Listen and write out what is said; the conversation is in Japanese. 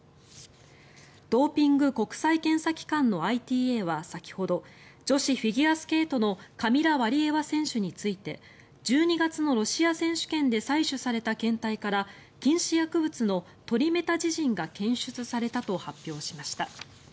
ドーピング国際検査機関のＩＴＡは先ほど女子フィギュアスケートのカミラ・ワリエワ選手について１２月のロシア選手権で採取された検体から禁止薬物のトリメタジジンが検出されたと発表しました。